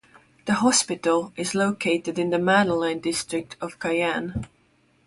The hospital is located in the Madeleine district of Cayenne.